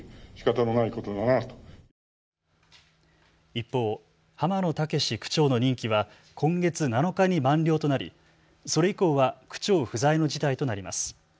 一方、濱野健区長の任期は今月７日に満了となりそれ以降は区長不在の事態となります。